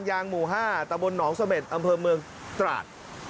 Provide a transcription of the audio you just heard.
ยางหมู่๕ตะบนหนองเสม็ดอำเภอเมืองตราด